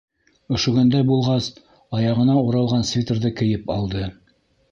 Өшөгәндәй булғас, аяғына уралған свитерҙы кейеп алды.